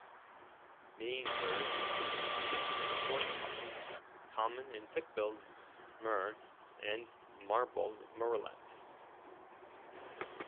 Maine birds include tufted and horned puffin, common and thick-billed murre, and marbled murrelets.